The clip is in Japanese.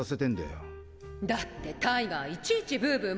だってタイガーいちいちブーブー